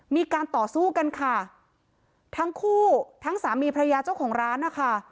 มีการต่อสู้กันค่ะทั้งคู่ทั้งสามีพระยาเจ้าของร้านนะคะ